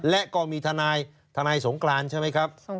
และก็มีทนายทนายสงกรานใช่ไหมครับ